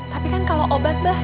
tapi kan kalo obatnya aja berat kan